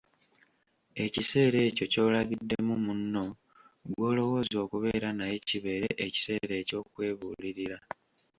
Ekiseera ekyo ky'olabiddemu munno gw'olowooza okubeera naye kibeere ekiseera eky'okwebuulirira.